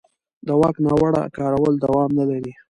د واک ناوړه کارول دوام نه لري